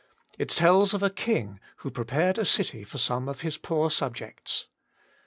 It tells of a king who prepared a city for some of his poor subjects.